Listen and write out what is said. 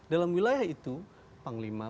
dalam wilayah itu panglima